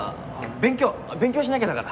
勉強しなきゃだから。